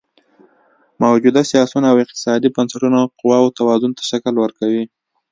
موجوده سیاسي او اقتصادي بنسټونه قواوو توازن ته شکل ورکوي.